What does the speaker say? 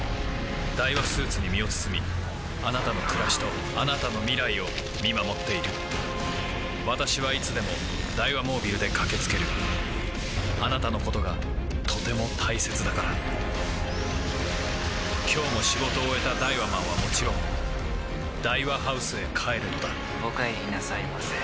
ダイワスーツに身を包みあなたの暮らしとあなたの未来を見守っている私はいつでもダイワモービルで駆け付けるあなたのことがとても大切だから今日も仕事を終えたダイワマンはもちろんダイワハウスへ帰るのだお帰りなさいませ。